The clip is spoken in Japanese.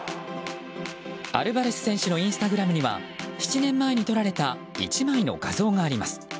アルヴァレス選手のインスタグラムには７年前に撮られた１枚の画像があります。